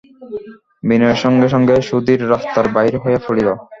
বিনয়ের সঙ্গে সঙ্গে সুধীর রাস্তায় বাহির হইয়া পড়িল।